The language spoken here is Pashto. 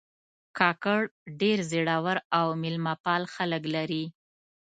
کاکړ ډېر زړور او میلمهپال خلک لري.